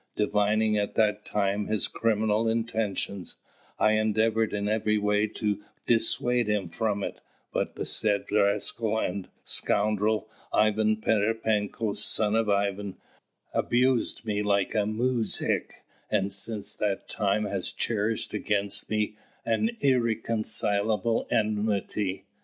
Divining at that time his criminal intentions, I endeavoured in every way to dissuade him from it: but the said rascal and scoundrel, Ivan Pererepenko, son of Ivan, abused me like a muzhik, and since that time has cherished against me an irreconcilable enmity.